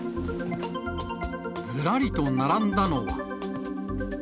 ずらりと並んだのは。